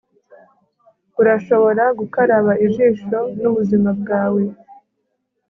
Urashobora gukaraba ijisho nubuzima bwawe